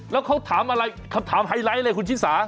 แล้วเขาถามอะไรคำถามไฮไลท์เลยคุณชิสา